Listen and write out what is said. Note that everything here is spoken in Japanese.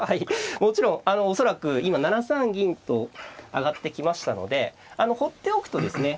もちろん恐らく今７三銀と上がってきましたのでほっておくとですね